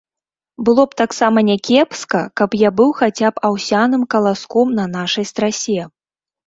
Было б таксама някепска, каб я быў хаця б аўсяным каласком на нашай страсе.